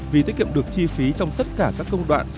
vì tiết kiệm được chi phí trong tất cả các công đoạn